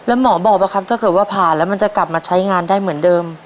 แล้วหมอบอกป่ะครับถ้าเกิดว่าผ่าแล้วมันจะกลับมาใช้งานได้เหมือนเดิม